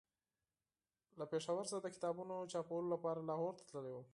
له پېښور څخه د کتابونو چاپولو لپاره لاهور ته تللی وم.